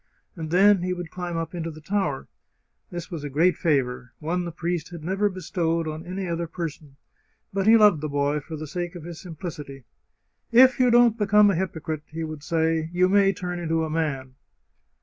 And then he would climb up into the tower. This was a great favour — one the priest had never bestowed on any other person. But he loved the boy for the sake of his simplicity. " If you don't become a hypocrite," he would say, " you may turn into a man